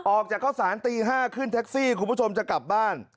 ออกจากข้าวสารตี๕ขึ้นแท็กซี่คุณผู้ชมจะกลับบ้าน